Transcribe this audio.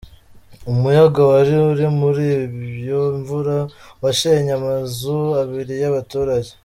Umuyaga wari uri muri iyo mvura washenye amazu abiri y’abaturage.